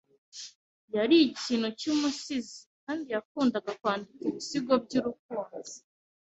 Yari ikintu cyumusizi kandi yakundaga kwandika ibisigo byurukundo.